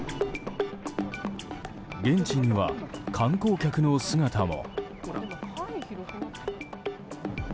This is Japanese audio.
現地には観光客の姿も。